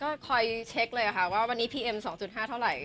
ก็คอยเช็คเลยค่ะว่าวันนี้พีเอ็ม๒๕เท่าไหร่